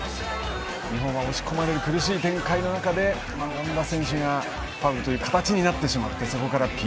日本は押し込まれる苦しい展開の中で権田選手がファウルという形になってそこからＰＫ。